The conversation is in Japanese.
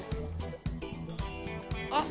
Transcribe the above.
あっ！